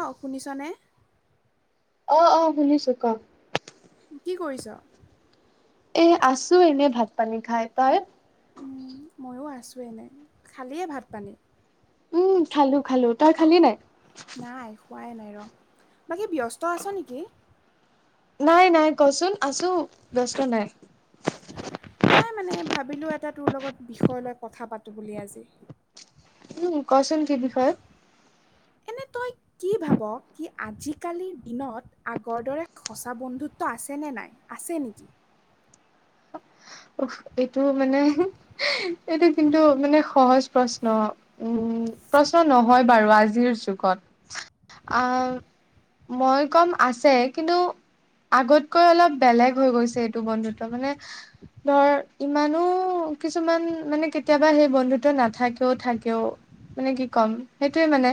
অ, শুনিছনে? অহ, অহ শুনিছো ক? কি কৰিছ? এ, আছো এনে ভাত পানী খাই। তই? ময়ো আছোঁ এনেই। খালিয়ে ভাত পানী? উম, খালো খালো। তই খালি নাই? নাই, খোৱাই নাই ৰ। বাকী ব্যস্ত আছ নেকি? নাই, নাই কচোন আছো। ব্যস্ত নাই নাই মানে ভাবিলো এটা তোৰ লগত বিষয় লৈ কথা পাতো বুলি আজি। উ কচোন কি বিষয়ত। এনে। তই কি ভাব কি আজিকালিৰ দিনত আগৰ দৰে সঁচা বন্ধুত্ব আছে নে না ই আছে নেকি উফ এইটো মানে এইটো কিন্তু মানে সহজ প্ৰশ্ন। উম প্ৰশ্ন নহয় বাৰু আজিৰ যুগত আহ মই কম আছে কিন্তু আগতকৈ অলপ বেলেগ হৈ গৈছে এইটো বন্ধুত্ব মানে। ধৰ ইমানো কিছুমান মানে কেতিয়াবা সেই বন্ধুত্ব নাথাকেও থাকেও। মানে কি ক'ম সেইটোয়ে মানে।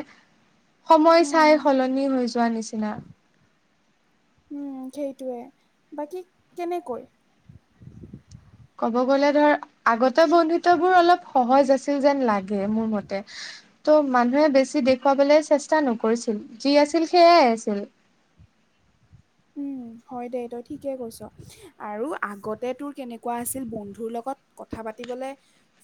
সময় উম, চাই সলনি হৈ যোৱা নিচিনা। উম, বাকী কেনেকৈ। ক'ব গ'লে ধৰ আগতে বন্ধুত্ব বোৰ অলপ সহজ আছিল যেন লাগে মোৰ মতে। ত' মানুহে বেছি দেখুৱাবলৈ চেষ্টা নকৰিছিল যি আছিল সেয়াই আছিল। [inaudible] উম। হয় দে এইটো কৈছ আৰু আগতে তোৰ কেনেকোৱা আছিল বন্ধু লগত কথা পাতিবলৈ। লে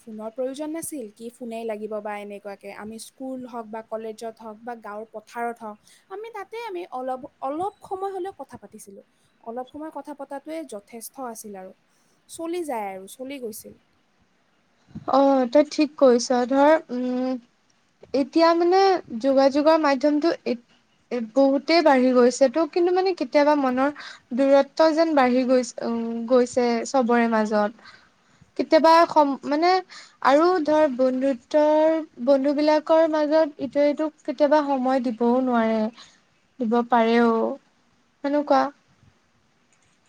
ফোনৰ প্ৰয়োজন নাছিল কি ফোনেই লাগিব বা এনেকুৱাকে আমি স্কুল হওক বা কলেজত হওঁক বা গাঁৱৰ পথাৰত হওঁক আমি তাতে আমি অলপ অলপ সময় হ'লেও কথা পাতিছিলো, অলপ সময় কথা পতাতোৱে যথেষ্ট আছিল আৰু। চলি যায় আৰু চলি গৈছিল। অ তই ঠিক কৈছ ধৰ উম। এতিয়া মানে যোগাযোগৰ মাধ্যমটো এ বহুতেই বাঢ়ি গৈছে তো কিন্তু মানে কেতিয়াবা মনৰ, দূৰত্ব যেন বাঢ়ি গৈছে। উম গৈছে চবৰে মাজত, কেতিয়াবা স মানে আৰু ধৰ বন্ধুত্বৰ বন্ধু বিলাকৰ মাজত ইটো ইটো। কেতিয়াবা সময় দিবও, নোৱাৰে দিব পাৰেও সেনেকোৱা।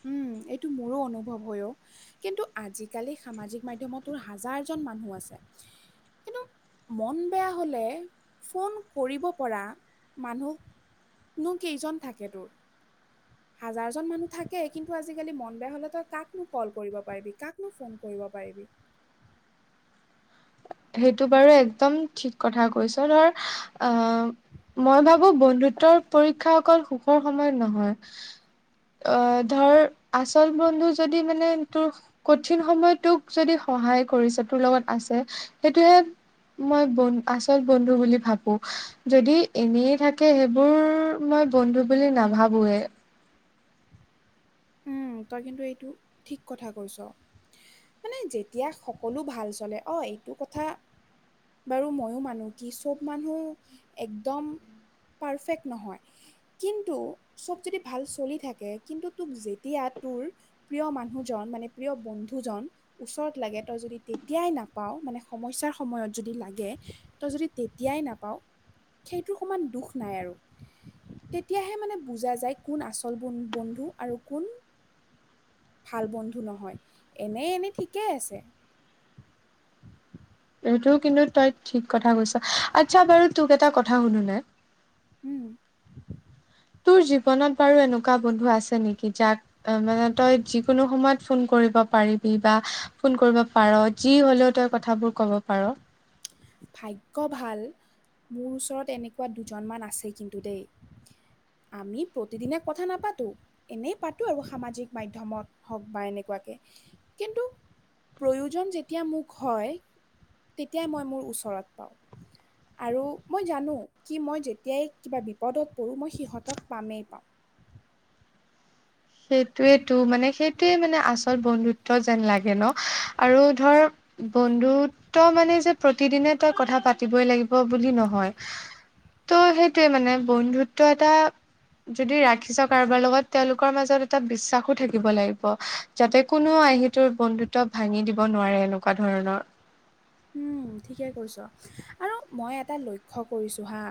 উম এইটো মোৰো অনুভৱ হয় অ, কিন্তু আজিকালি সামাজিক মাধয়মতো হাজাৰজন মানুহ আছে। কিন্তু মন নো কেইজন থাকে তোৰ। হাজাৰজন মানুহ থাকে কিন্তু আজিকালি মন বেয়া হলে তই কাকনো কল কৰিব পাৰিবি কাকনো ফোন কৰিব পাৰিবি। পাৰিবি। সেইটো বাৰু একদম ঠিক কথা কৈছ ধৰ আহ মই ভাবো বন্ধুত্বৰ পৰীক্ষা অকল সুখৰ সময়ত নহয়। অ ধৰ সহায় কৰিছে তোৰ লগত আছে সেইটোয়ে। মই বন আচল বন্ধু বুলি ভাবো যদি এনেই থাকে সেইবোৰ মই মই বন্ধু বুলি নাভাবোৱে। তই কিন্তু এইটো ঠিক কথা কৈছ। মানে যেতিয়া সকলো ভাল চলে অ এইটো কথা। বাৰু ময়ো মানো কি চব মানুহ একদম পাৰফেক্ট নহয়, কিন্তু চব যদি ভাল চলি থাকে কিন্তু তোক যি তেতিয়া তোৰ প্ৰিয় মানুহজন মানে প্ৰিয় বন্ধুজন ওচৰত লাগে তই যদি তেতিয়াই নাপাও নাপাওঁ মানে সমস্যাৰ সময়ত যদি লাগে তই যদি তেতিয়াই নাপাওঁ। সেইটো সমান দুখ নাই আৰু। তেতিয়াহে মানে বুজা যায় কোন আচল বন্ধু আৰু কোন, ভাল বন্ধু নহয়, এনেই এনেই ঠিকেই আছে। উ। সেইটো কিন্তু তই ঠিক কথা কৈছ, আচ্ছা বাৰু তোক এটা কথা সুধুনে? উম। তোৰ জীৱনত বাৰু এনেকুৱা বন্ধু আছে নেকি, যাক মানে তই যিকোনো সময়ত ফোন কৰিব পাৰিবি, বা ফোন কৰিব পাৰ যি হলেও তই কথাবোৰ ক'ব পাৰ। [unintelligible] ভাগ্য ভাল, মোৰ ওচৰত এনেকুৱা দুজনমান আছে কিন্তু দেই। আমি প্ৰতিদিনে কথা নাপাতো, এনেই পাতো আৰু সামাজিক মাধ্যমত হওঁক বা এনেকুৱা কিন্তু প্ৰয়োজন যেতিয়া মোক হয়, তেতিয়াই মই মোৰ ওচ ঘৰত পাওঁ। আৰু মই জানো, কি মই যেতিয়াই কিবা বিপদত পৰোঁ মই সিহঁতক পামেই পাম। সেইটোৱেটো মানে সেইটোৱে মানে আচল বন্ধুত্ব যেন লাগে ন, আৰু ধৰ বন্ধুত্ব মানে যে প্ৰতিদিনে তই কথা পাতিবই লাগিব বুলি নহয়। ত' সেইটোৱে মানে বন্ধুত্ব এটা যদি ৰাখিছ কাৰোবাৰ লগত তেওঁলোক মাজত এটা বিশ্বাসো থাকিব লাগিব যাতে কোনো আহিটোৰ বন্ধুত্ব ভাঙি দিব নোৱাৰে। এনেকুৱা ধৰণৰ, উম। ঠিকে কৈছ আৰু মই এটা লক্ষ্য কৰিছোঁ হাঁ,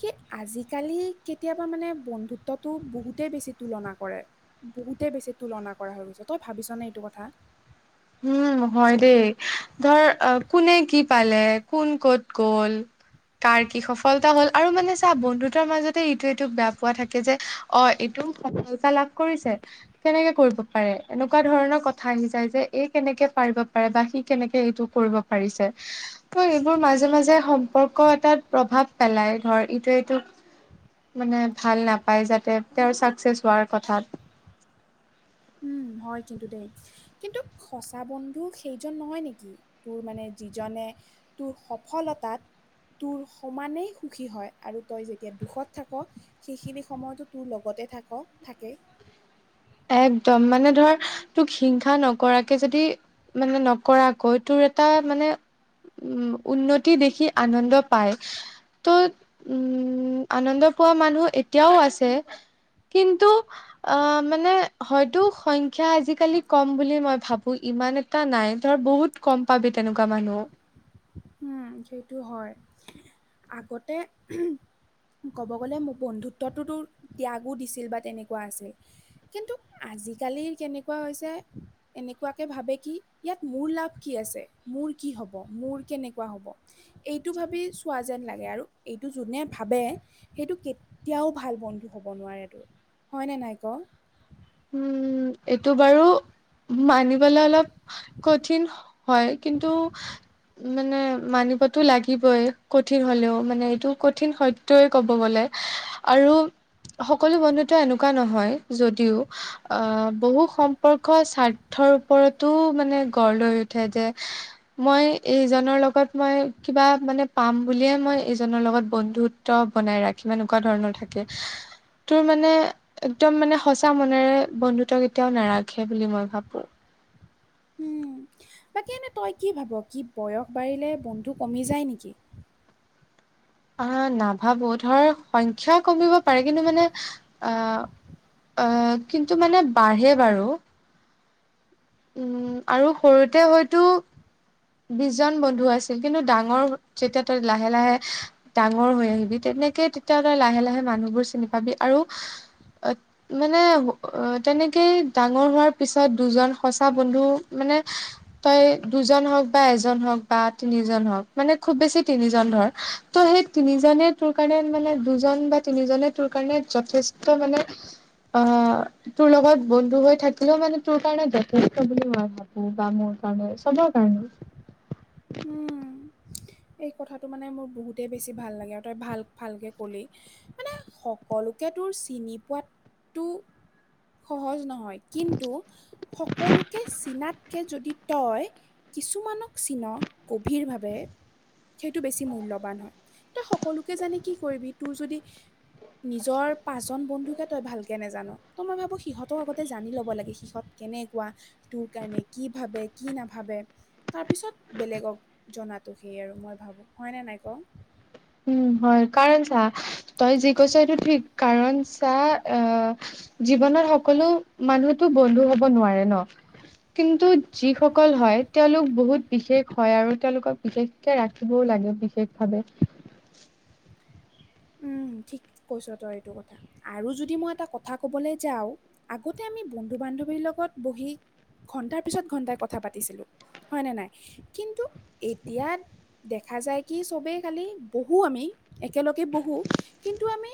কি আজিকালি কেতিয়াবা মানে বন্ধুত্বটো বহুতে বেছি তুলনা কৰে, বহুতে বেছি তুলনা কৰা হৈ গৈছে। ত তই ভাবিছ নে এইটো কথা? উম হয় দেই ধৰ কোনে কি পালে কোন কত গল। কাৰ কি সফলতা হ'ল। আৰু মানে চা বন্ধুতৰ মাজতে এইটো সিটো বেয়া পোৱা থাকে, যে অ', এইটো সফলতা লাভ কৰিছে। কেনেকে কৰিব পাৰে, এনেকুৱা ধৰণৰ কথা আহি যায় যে এই কেনেকে পাৰিব পাৰে বা সি কেনেকে এইটো কৰিব পাৰিছে, ত' এইবোৰ মাজে মাজে [unintelligible] সম্পৰ্ক এটাত প্ৰভাৱ পেলাই ধৰ ইটোৱে ইটোক মানে ভাল নাপায় যাতে তেওঁৰ ছাকচেছ হোৱাৰ কথাত। উম। হয় কিন্তু দেই, কিন্তু সঁচা বন্ধু সেইজন নহয় নেকি, তোৰ মানে যিজনে তোৰ সফলতাত তোৰ সমানেই সুখী হয় আৰু তই যেতিয়া দুখত থাক, সেইখিনি সময়তো তোৰ লগত তে থাক থাকে। একদম মানে ধৰ তোক হিংসা নকৰাকে যদি, মানে নকৰাকৈ তোৰ এটা মানে উম উন্নতি দেখি আনন্দ পায়। ত' উম, আনন্দ পোৱা মানুহ এতিয়াও আছে। কিন্তু অ মানে হয়তো সংখ্যা আজিকালি কম বুলি মই ভাবো, ইমান এটা নাই ধৰ বহুত কম পাবি তেনেকুৱা মানুহ। উম সেইটো হয়। আগতে ক'ব গলে মোক বন্ধুত্বটোতো ত্যাগো দিছিল বা তেনেকুৱা আছিল কিন্তু আ আজিকালি কেনেকুৱা হৈছে এনেকুৱাকে ভাবে কি, ইয়াত মোৰ লাভ কি আছে, মোৰ কি হব, মোৰ কেনে কোৱা হব, এইটো ভাবি ছোৱালী যেন লাগে আৰু এইটো যোনে ভাবে সেইটো কেতিয়াও ভাল বন্ধু হ'ব নোৱাৰে তোৰ। হয়নে নাই ক? উম এইটো বাৰু মানিবলৈ অলপ কঠিন হয়, কিন্তু মানে মানিবতো লাগিবই কঠিন হলেও, মানে এইটো কঠিন সত্যই ক'ব গলে। আৰু সকলো বন্ধুত্ব এনেকুৱা নহয়। যদিও আহ বহু সম্পৰ্ক স্বাৰ্থৰ ওপৰতো মানে গঢ় লৈ উঠে যে মই এইজনৰ লগত মই কিবা মানে পাম বুলিয়ে মই এইজনৰ লগত বন্ধু ত বনাই ৰাখ এনেকুৱা ধৰণৰ থাকে, তোৰ মানে একদম মানে সঁচা ম নেৰে বন্ধুত্ব কেতিয়াও নাৰাখে বুলি মই ভাবো। হুম। বাকী এনে তই কি ভাব, কি বয়স বাঢ়িলে বন্ধু কমি যায় নেকি? আ নাভাবো ধৰ সংখ্যা কমিব পাৰে কিন্তু মানে আ আ কিন্তু মানে বাঢ়ে বাৰু। উম আৰু সৰুতে হয়তো বিশ জন বন্ধু আছিল কিন্তু ডাঙৰ যেতিয়া তই লাহে লাহে ডাঙৰ হৈ আহিবি তে নেকে তেতিয়া তই লাহে লাহে মানুহবোৰ চিনি পাবি আৰু অ মানে অ তেনেকেই ডাঙৰ হোৱাৰ পিছত দুজন সঁচা বন্ধু মান নে তই দুজন হওক বা এজন হওক বা তিনিজন হওক মানে খুব বেছি তিনিজন ধৰ, ত' সেই তিনিজনে তোৰ কাৰণে মানে দুজন বা তিনিজনে তোৰ কাৰণে যথেষ্ট মানে অ তোৰ লগত বন্ধু হৈ থাকিলেও মানে তোৰ কাৰণে যথেষ্ট বুলি মই ভাবো বা মোৰ কাৰণে চবৰ কাৰণে। উম এই কথাটো মানে মোৰ বহুতে বেছি ভাল লাগে আৰু তই ভাল ভালকে কলি, মানে সকলোকে তোৰ চিনি পোৱাটো সহজ নহয়। কিন্তু সকলোকে চীনাত কে যদি তই কিছুমানক চিন গভীৰভাৱে সেইটো বেছি মূল্যবান হয়, তই সকলোকে জানি কি কৰিবি তোৰ যদি নিজৰ পাঁচজন বন্ধুকে তই ভালকে নাজান, ত মই ভাবো সিহঁতক আগতে জানি ল'ব লাগে সিহঁত কেনেকুৱা, তোৰ কাৰণে কি ভাবে কি নাভাবে, তাৰপিছত বেলেগক জনাতো সেই আৰু মই ভাবোঁ হয়নে নাই কওঁ? উম হয় কাৰণ চা তই যি কৈছ এইটো ঠিক কাৰণ চা অ জীৱনত সকলো মানুহতো বন্ধু হব নোৱাৰে ন। কিন্তু যিসকল হয়, তেওঁলোক বহুত বিশেষ হয় আৰু তেওঁলোকক বিশেষকে ৰাখিব লাগে বিশেষভাৱে। উম। ঠিক কৈছ তই এইটো কথা আৰু যদি মই এটা কথা কবলৈ যাও আগতে আমি বন্ধু বান ন্ধৱীৰ লগত বহি ঘন্টাৰ পিছত ঘন্টাই কথা পাতিছিলো। হয়নে নাই কিন্তু এতিয়া দেখা যায় কি চবেই খালি বহু আমি একেলগ গে বহোঁ কিন্তু আমি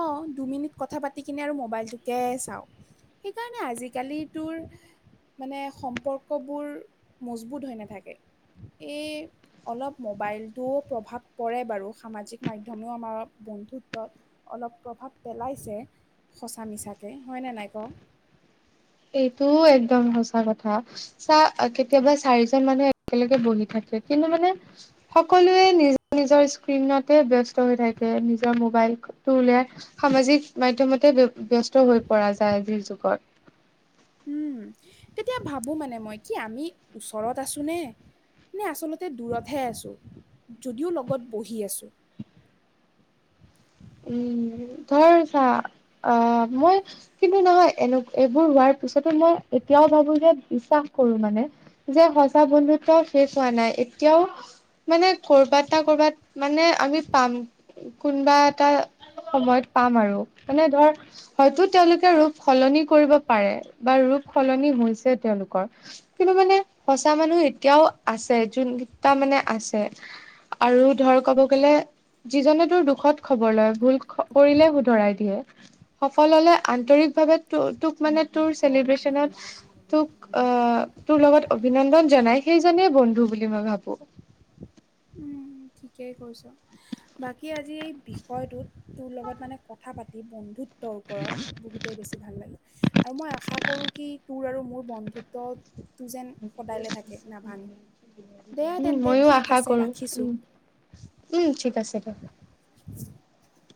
অ দুমিনিট কথা পাতি কিনে আৰু মোবাইলটোকে চাওঁ। সেইকাৰণে আজিকালি তোৰ। মানে সম্পৰ্কবোৰ মজবুত হৈ নাথাকে। এই অলপ মোবাইলটোও প্ৰভাৱ পৰে বাৰু সামাজিক মাধ্যম। মান আমাৰ বন্ধুত্ব অলপ প্ৰভাৱ পেলাইছে সঁচা মিছাকে হয়নে নাই? ক। এইটোও একদম সঁচা কথা চা কেতিয়াবা চাৰিজন মানুহ একেলগে বহি থাক- কে কিন্তু মানে সকলোৱে নিজ নিজৰ স্ক্ৰীণতে ব্যস্ত হৈ থাকে নিজৰ মোবাইল। উলিয়াই সামাজিক মাধ্যমতে ব্যস্ত হৈ পৰা যায় আজিৰ যুগত। উম তেতিয়া ভাবো মানে মই কি আমি ওচৰত আছো নে। নে আচলতে দূৰতহে আছোঁ যদিও লগত বহি আছোঁ। [unintelligible] উম। ধৰ চা অ মই কিন্তু নহয় এনে এইবোৰ হোৱাৰ পিছতো মই। এতিয়াও ভাবো যে বিশ্বাস কৰো মানে যে সঁচা বন্ধুত্ব শেষ হোৱা নাই এতিয়াও। মানে কৰবাত না কৰবাত মানে আমি পাম কোনবা এটা। সময়ত পাম আৰু মানে ধৰ হয়তো তেওঁলোকে ৰূপ সলনি কৰিব পাৰে বা ৰূপ সলনি হৈছে তেওঁলোকৰ কিন্তু মানে সঁচা মানুহ এতিয়াও আছে যোন তা আছে আৰু ধৰ ক'ব গলে যিজনে তোৰ দুখত খবৰ লয় ভুল কৰিলে শুধৰাই দিয়ে সফল হলে আন্তৰিক ভাৱে তোক মানে তোৰ চেলিভিছনত তোক অ তোৰ লগত অভিন্দন জনায় সেই জনেই বন্ধু। বুলি মই ভাবো। উম ঠিকেই কৈছ বাকী আজি এই বিষয়টোত তোৰ লগত মানে কথা পাতি বন্ধুত্ব ওপৰত বহুতেই বেছি ভাল লাগে আৰু মই আশা কৰোঁ কি তোৰ আৰু মোৰ বন্ধুত্ব তোৰ যেন সদায় লে থাকে নাভাঙে দে উম তেন্তে ময়ো ঠিক আশা আছে কৰো ৰাখিছোঁ। উম উম ঠিক আছে দে। [inaudible]